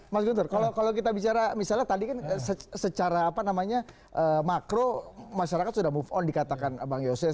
mas guntur kalau kita bicara misalnya tadi kan secara apa namanya makro masyarakat sudah move on dikatakan bang yose